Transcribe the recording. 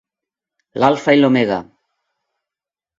L'alfa i l'omega.